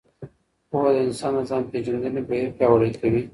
پوهه د انسان د ځان پېژندنې بهیر پیاوړی کوي.